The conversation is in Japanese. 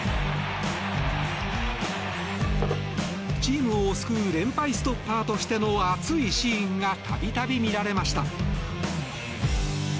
チームを救う連敗ストッパーとしての熱いシーンが度々見られました。